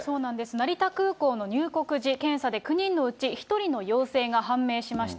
成田空港の入国時検査で９人のうち、１人の陽性が判明しました。